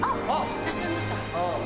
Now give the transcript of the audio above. いらっしゃいました。